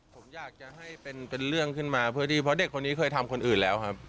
ผมอยากจะให้เป็นเรื่องขึ้นมาเพื่อที่เพราะเด็กคนนี้เคยทำคนอื่นแล้วครับ